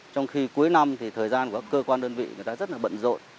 trong khi cuối năm thì thời gian của các cơ quan đơn vị người ta rất là bận rộn